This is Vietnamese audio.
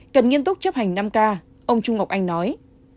cần nghiêm túc chấp hành năm k ông trung ngọc anh nói